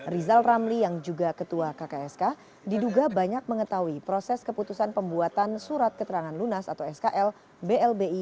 rizal ramli yang juga ketua kksk diduga banyak mengetahui proses keputusan pembuatan surat keterangan lunas atau skl blbi